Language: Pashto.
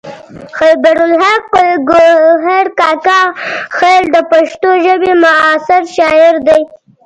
خیبر الحق ګوهر کاکا خیل د پښتو ژبې معاصر شاعر دی.